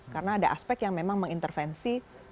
karena ada aspek yang memang mengintervensi